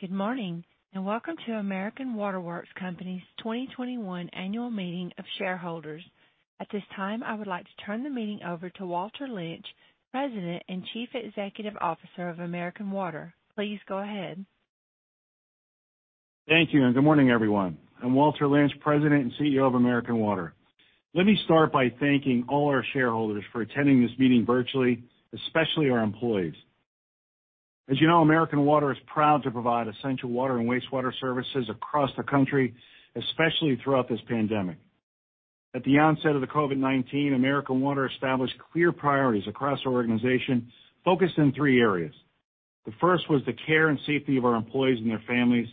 Good morning, and welcome to American Water Works Company's 2021 Annual Meeting of Shareholders. At this time, I would like to turn the meeting over to Walter Lynch, President and Chief Executive Officer of American Water. Please go ahead. Thank you, and good morning, everyone. I'm Walter Lynch, President and CEO of American Water. Let me start by thanking all our shareholders for attending this meeting virtually, especially our employees. As you know, American Water is proud to provide essential water and wastewater services across the country, especially throughout this pandemic. At the onset of the COVID-19, American Water established clear priorities across our organization, focused in three areas. The first was the care and safety of our employees and their families.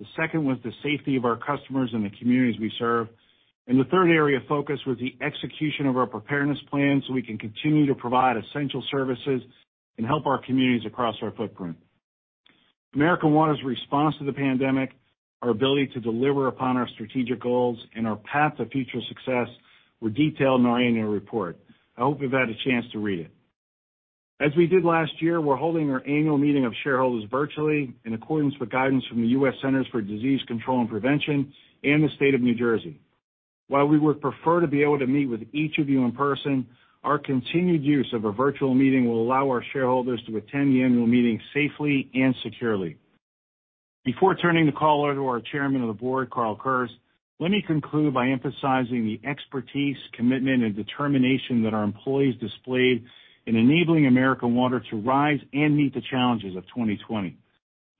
The second was the safety of our customers and the communities we serve. The third area of focus was the execution of our preparedness plan so we can continue to provide essential services and help our communities across our footprint. American Water's response to the pandemic, our ability to deliver upon our strategic goals, and our path to future success were detailed in our annual report. I hope you've had a chance to read it. As we did last year, we're holding our annual meeting of shareholders virtually, in accordance with guidance from the U.S. Centers for Disease Control and Prevention and the State of New Jersey. While we would prefer to be able to meet with each of you in person, our continued use of a virtual meeting will allow our shareholders to attend the annual meeting safely and securely. Before turning the call over to our Chairman of the Board, Carl Kurtz, let me conclude by emphasizing the expertise, commitment, and determination that our employees displayed in enabling American Water to rise and meet the challenges of 2020.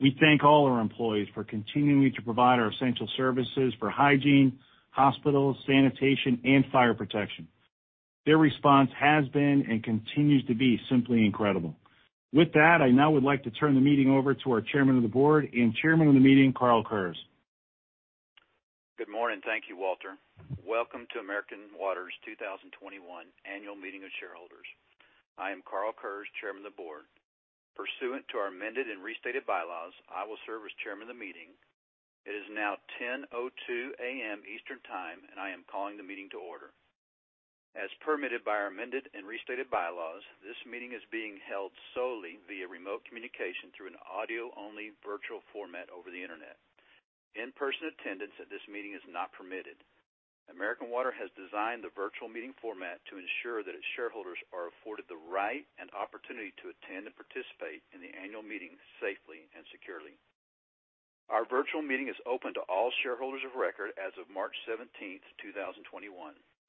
We thank all our employees for continuing to provide our essential services for hygiene, hospitals, sanitation, and fire protection. Their response has been, and continues to be, simply incredible. With that, I now would like to turn the meeting over to our Chairman of the Board and Chairman of the Meeting, Carl Kurtz. Good morning, thank you, Walter. Welcome to American Water's 2021 Annual Meeting of Shareholders. I am Carl Kurtz, Chairman of the Board. Pursuant to our amended and restated bylaws, I will serve as Chairman of the Meeting. It is now 10:02 A.M. Eastern Time, and I am calling the meeting to order. As permitted by our amended and restated bylaws, this meeting is being held solely via remote communication through an audio-only virtual format over the internet. In-person attendance at this meeting is not permitted. American Water has designed the virtual meeting format to ensure that its shareholders are afforded the right and opportunity to attend and participate in the annual meeting safely and securely. Our virtual meeting is open to all shareholders of record as of March 17, 2021,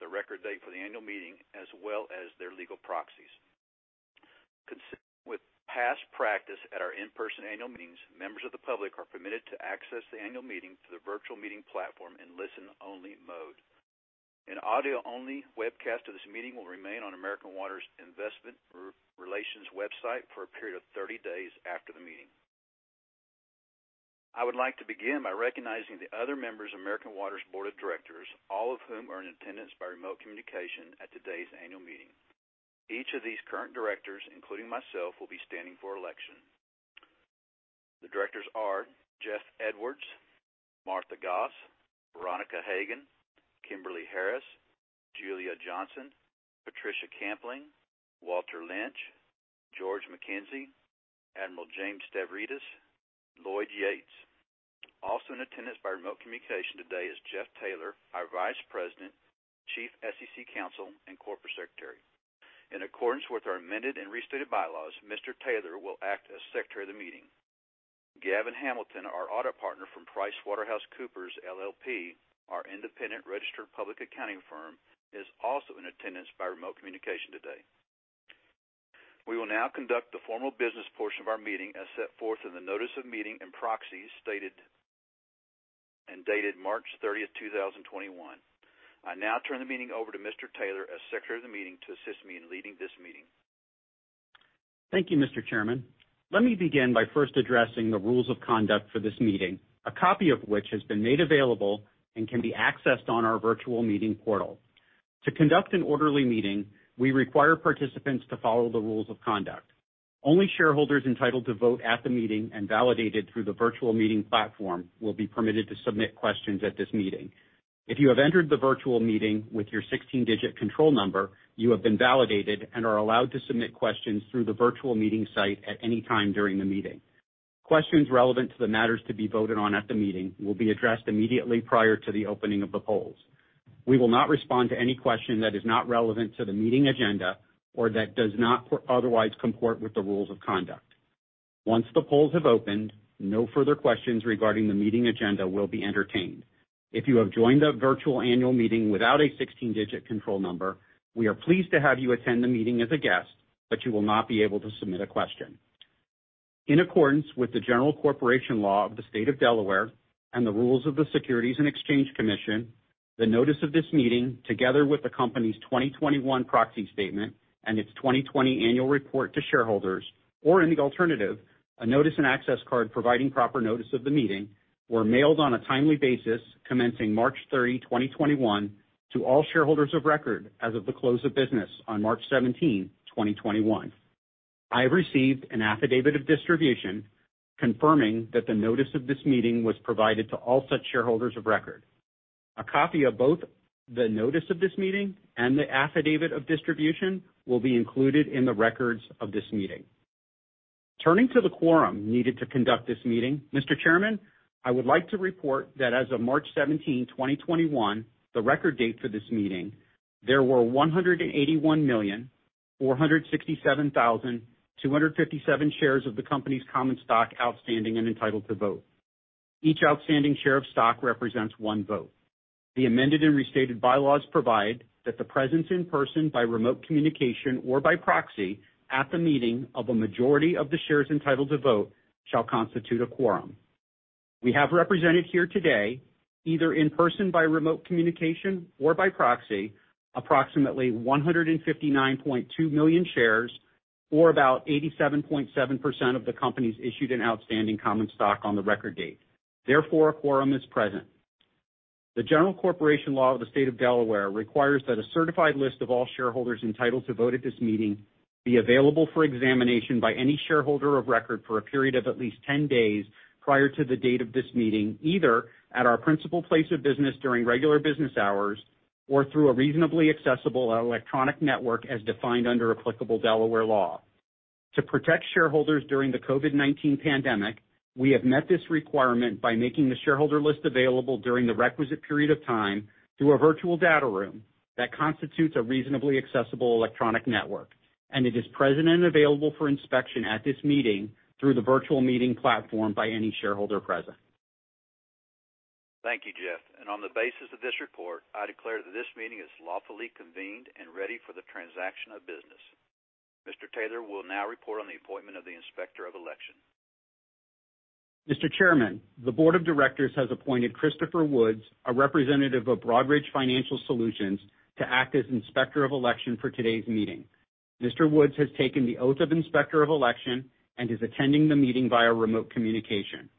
the record date for the annual meeting, as well as their legal proxies. Consistent with past practice at our in-person annual meetings, members of the public are permitted to access the annual meeting through the virtual meeting platform in listen-only mode. An audio-only webcast of this meeting will remain on American Water's Investor Relations website for a period of 30 days after the meeting. I would like to begin by recognizing the other members of American Water's Board of Directors, all of whom are in attendance by remote communication at today's annual meeting. Each of these current directors, including myself, will be standing for election. The directors are Jeff Edwards, Martha Goss, Veronica Hagen, Kimberly Harris, Julia Johnson, Patricia Campling, Walter Lynch, George McKenzie, Admiral James Stavridis, and Lloyd Yates. Also in attendance by remote communication today is Jeff Taylor, our Vice President, Chief SEC Counsel, and Corporate Secretary. In accordance with our amended and restated bylaws, Mr. Taylor will act as Secretary of the Meeting. Gavin Hamilton, our audit partner from PricewaterhouseCoopers LLP, our independent registered public accounting firm, is also in attendance by remote communication today. We will now conduct the formal business portion of our meeting as set forth in the Notice of Meeting and Proxies stated and dated March 30, 2021. I now turn the meeting over to Mr. Taylor as Secretary of the Meeting to assist me in leading this meeting. Thank you, Mr. Chairman. Let me begin by first addressing the rules of conduct for this meeting, a copy of which has been made available and can be accessed on our virtual meeting portal. To conduct an orderly meeting, we require participants to follow the rules of conduct. Only shareholders entitled to vote at the meeting and validated through the virtual meeting platform will be permitted to submit questions at this meeting. If you have entered the virtual meeting with your 16-digit control number, you have been validated and are allowed to submit questions through the virtual meeting site at any time during the meeting. Questions relevant to the matters to be voted on at the meeting will be addressed immediately prior to the opening of the polls. We will not respond to any question that is not relevant to the meeting agenda or that does not otherwise comport with the rules of conduct. Once the polls have opened, no further questions regarding the meeting agenda will be entertained. If you have joined the virtual annual meeting without a 16-digit control number, we are pleased to have you attend the meeting as a guest, but you will not be able to submit a question. In accordance with the General Corporation Law of the State of Delaware and the rules of the U.S. Securities and Exchange Commission, the Notice of This Meeting, together with the company's 2021 Proxy Statement and its 2020 Annual Report to Shareholders, or in the alternative, a Notice and Access Card providing proper notice of the meeting, were mailed on a timely basis commencing March 30, 2021, to all shareholders of record as of the close of business on March 17, 2021. I have received an affidavit of distribution confirming that the Notice of This Meeting was provided to all such shareholders of record. A copy of both the Notice of This Meeting and the affidavit of distribution will be included in the records of this meeting. Turning to the quorum needed to conduct this meeting, Mr. Chairman, I would like to report that as of March 17, 2021, the record date for this meeting, there were 181,467,257 shares of the company's common stock outstanding and entitled to vote. Each outstanding share of stock represents one vote. The Amended and Restated Bylaws provide that the presence in person by remote communication or by proxy at the meeting of a majority of the shares entitled to vote shall constitute a quorum. We have represented here today, either in person by remote communication or by proxy, approximately 159.2 million shares or about 87.7% of the company's issued and outstanding common stock on the record date. Therefore, a quorum is present. The General Corporation Law of the State of Delaware requires that a certified list of all shareholders entitled to vote at this meeting be available for examination by any shareholder of record for a period of at least 10 days prior to the date of this meeting, either at our principal place of business during regular business hours or through a reasonably accessible electronic network as defined under applicable Delaware law. To protect shareholders during the COVID-19 pandemic, we have met this requirement by making the shareholder list available during the requisite period of time through a virtual data room that constitutes a reasonably accessible electronic network, and it is present and available for inspection at this meeting through the virtual meeting platform by any shareholder present. Thank you, Jeff. On the basis of this report, I declare that this meeting is lawfully convened and ready for the transaction of business. Mr. Taylor will now report on the appointment of the Inspector of Election. Mr. Chairman, the Board of Directors has appointed Christopher Woods, a representative of Broadridge Financial Solutions, to act as Inspector of Election for today's meeting. Mr. Woods has taken the oath of Inspector of Election and is attending the meeting via remote communication.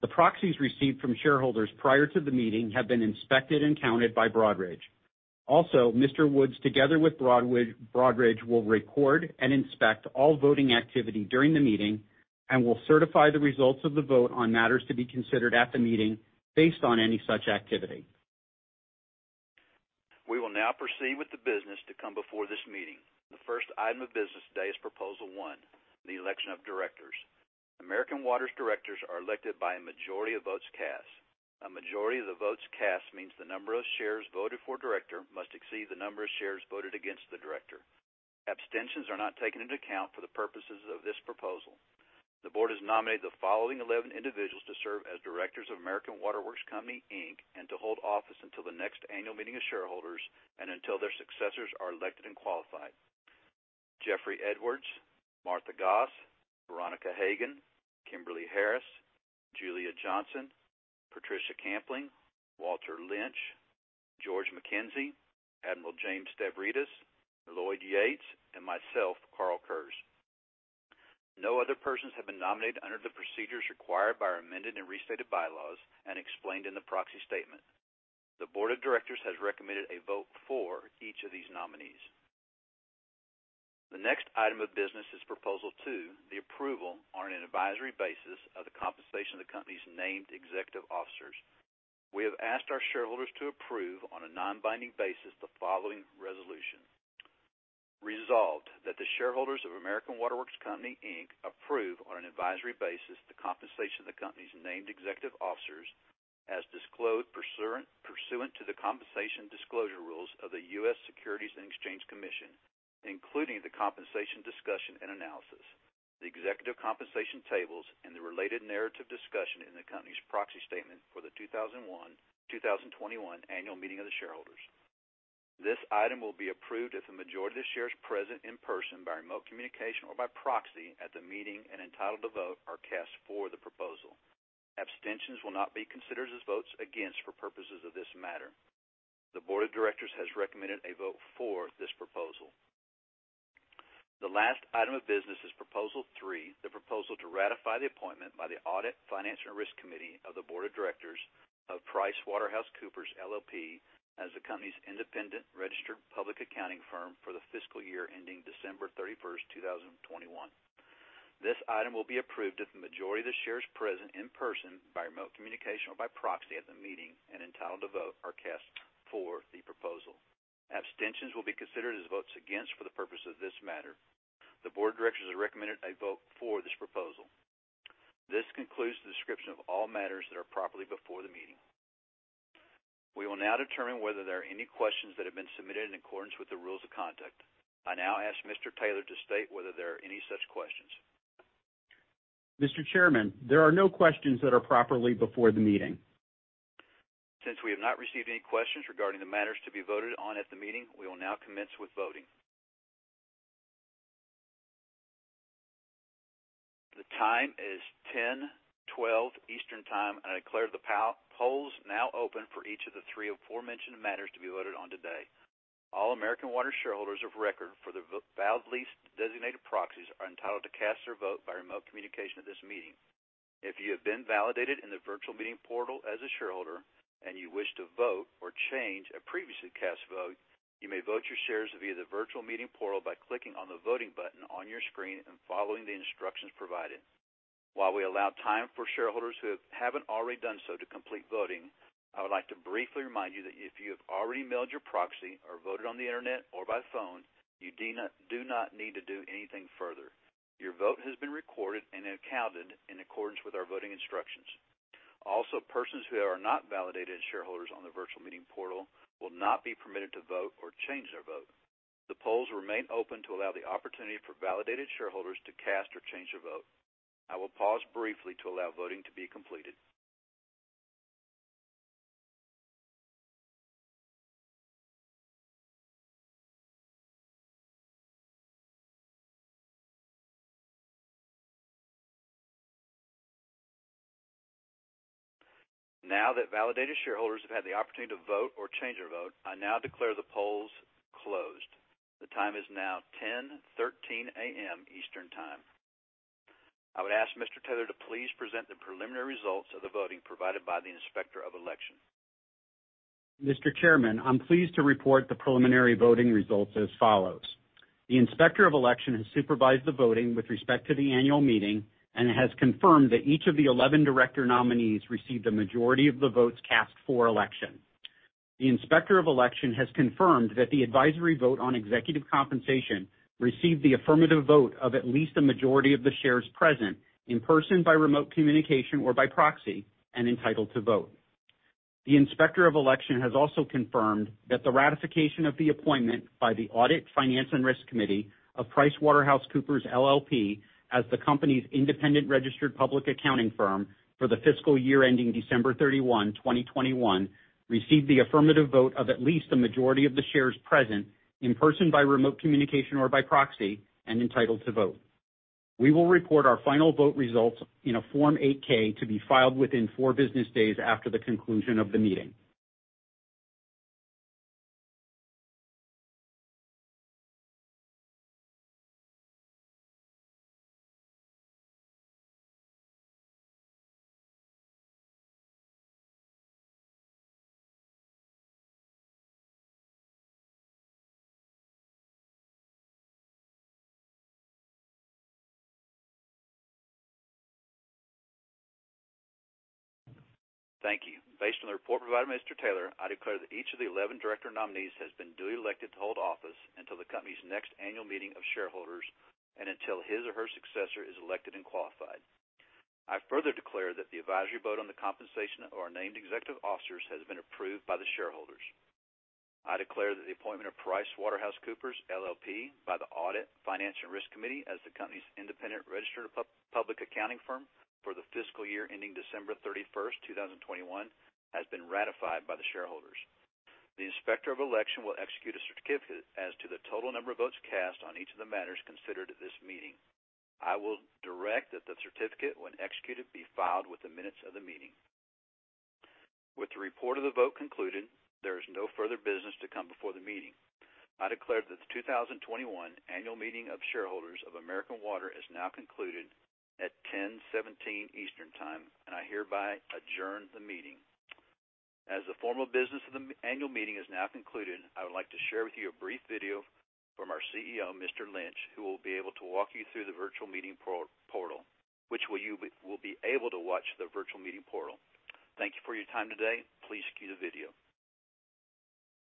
The proxies received from shareholders prior to the meeting have been inspected and counted by Broadridge. Also, Mr. Woods, together with Broadridge, will record and inspect all voting activity during the meeting and will certify the results of the vote on matters to be considered at the meeting based on any such activity. We will now proceed with the business to come before this meeting. The first item of business today is Proposal one, the election of directors. American Water's directors are elected by a majority of votes cast. A majority of the votes cast means the number of shares voted for director must exceed the number of shares voted against the director. Abstentions are not taken into account for the purposes of this proposal. The Board has nominated the following 11 individuals to serve as directors of American Water Works Company and to hold office until the next annual meeting of shareholders and until their successors are elected and qualified: Jeffrey Edwards, Martha Goss, Veronica Hagen, Kimberly Harris, Julia Johnson, Patricia Campling, Walter Lynch, George McKenzie, Admiral James Stavridis, Lloyd Yates, and myself, Carl Kurtz. No other persons have been nominated under the procedures required by our Amended and Restated Bylaws and explained in the proxy statement. The Board of Directors has recommended a vote for each of these nominees. The next item of business is Proposal two, the approval on an advisory basis of the compensation of the company's named executive officers. We have asked our shareholders to approve on a non-binding basis the following resolution: resolved that the shareholders of American Water Works Company approve on an advisory basis the compensation of the company's named executive officers as disclosed pursuant to the compensation disclosure rules of the U.S. Securities and Exchange Commission, including the compensation discussion and analysis, the executive compensation tables, and the related narrative discussion in the company's proxy statement for the 2021 annual meeting of the shareholders. This item will be approved if a majority of the shares present in person by remote communication or by proxy at the meeting and entitled to vote are cast for the proposal. Abstentions will not be considered as votes against for purposes of this matter. The Board of Directors has recommended a vote for this proposal. The last item of business is Proposal three, the proposal to ratify the appointment by the Audit, Finance, and Risk Committee of the Board of Directors of PricewaterhouseCoopers LLP as the company's independent registered public accounting firm for the fiscal year ending December 31, 2021. This item will be approved if a majority of the shares present in person by remote communication or by proxy at the meeting and entitled to vote are cast for the proposal. Abstentions will be considered as votes against for the purpose of this matter. The Board of Directors has recommended a vote for this proposal. This concludes the description of all matters that are properly before the meeting. We will now determine whether there are any questions that have been submitted in accordance with the rules of conduct. I now ask Mr. Taylor to state whether there are any such questions. Mr. Chairman, there are no questions that are properly before the meeting. Since we have not received any questions regarding the matters to be voted on at the meeting, we will now commence with voting. The time is 10:12 A.M. Eastern Time, and I declare the polls now open for each of the three aforementioned matters to be voted on today. All American Water shareholders of record for the validly designated proxies are entitled to cast their vote by remote communication at this meeting. If you have been validated in the virtual meeting portal as a shareholder and you wish to vote or change a previously cast vote, you may vote your shares via the virtual meeting portal by clicking on the voting button on your screen and following the instructions provided. While we allow time for shareholders who have not already done so to complete voting, I would like to briefly remind you that if you have already mailed your proxy or voted on the internet or by phone, you do not need to do anything further. Your vote has been recorded and accounted in accordance with our voting instructions. Also, persons who are not validated as shareholders on the virtual meeting portal will not be permitted to vote or change their vote. The polls remain open to allow the opportunity for validated shareholders to cast or change their vote. I will pause briefly to allow voting to be completed. Now that validated shareholders have had the opportunity to vote or change their vote, I now declare the polls closed. The time is now 10:13 A.M. Eastern Time. I would ask Mr. Taylor, please present the preliminary results of the voting provided by the Inspector of Election. Mr. Chairman, I'm pleased to report the preliminary voting results as follows. The Inspector of Election has supervised the voting with respect to the annual meeting and has confirmed that each of the 11 director nominees received a majority of the votes cast for election. The Inspector of Election has confirmed that the advisory vote on executive compensation received the affirmative vote of at least a majority of the shares present in person by remote communication or by proxy and entitled to vote. The Inspector of Election has also confirmed that the ratification of the appointment by the Audit, Finance, and Risk Committee of PricewaterhouseCoopers LLP as the company's independent registered public accounting firm for the fiscal year ending December 31, 2021, received the affirmative vote of at least a majority of the shares present in person by remote communication or by proxy and entitled to vote. We will report our final vote results in a Form 8-K to be filed within four business days after the conclusion of the meeting. Thank you. Based on the report provided by Mr. Taylor, I declare that each of the 11 director nominees has been duly elected to hold office until the company's next annual meeting of shareholders and until his or her successor is elected and qualified. I further declare that the advisory vote on the compensation of our named executive officers has been approved by the shareholders. I declare that the appointment of PricewaterhouseCoopers LLP, by the Audit, Finance, and Risk Committee as the company's independent registered public accounting firm for the fiscal year ending December 31, 2021, has been ratified by the shareholders. The Inspector of Election will execute a certificate as to the total number of votes cast on each of the matters considered at this meeting. I will direct that the certificate, when executed, be filed within minutes of the meeting. With the report of the vote concluded, there is no further business to come before the meeting. I declare that the 2021 annual meeting of shareholders of American Water is now concluded at 10:17 A.M. Eastern Time, and I hereby adjourn the meeting. As the formal business of the annual meeting is now concluded, I would like to share with you a brief video from our CEO, Mr. Lynch, who will be able to walk you through the virtual meeting portal, which will be able to watch the virtual meeting portal. Thank you for your time today. Please view the video.